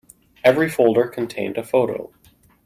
Every folder contained a photo.